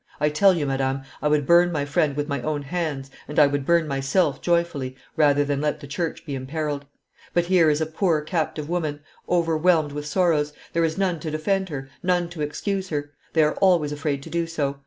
I tell you, madame, I would burn my friend with my own hands, and I would burn myself joyfully, rather than let the church be imperilled. But here is a poor captive woman, overwhelmed with sorrows; there is none to defend her, none to excuse her; they are always afraid to do so.